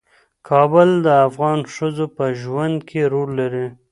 کابل د افغان ښځو په ژوند کې رول لري.